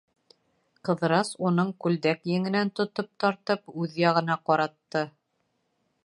Ҡыҙырас, уның күлдәк еңенән тотоп тартып, үҙ яғына ҡаратты.